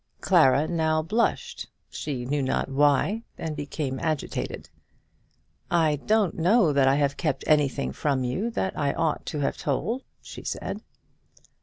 Clara now blushed, she knew not why, and became agitated. "I don't know that I have kept anything from you that I ought to have told," she said.